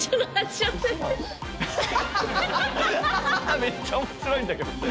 めっちゃ面白いんだけど。